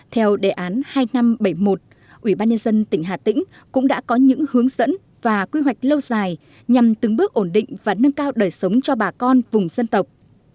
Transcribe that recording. theo đề án hai nghìn năm trăm bảy mươi một ủy ban nhân dân tỉnh hà tĩnh cũng đã có những hướng dẫn và quy hoạch lâu dài nhằm từng bước ổn định và nâng cao đời sống cho bà con vùng dân tộc